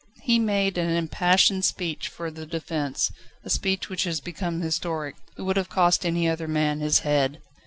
He made an impassioned speech for the defence: a speech which has become historic. It would have cost any other man his head.